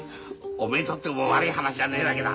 おめえにとっても悪い話じゃねえわけだ。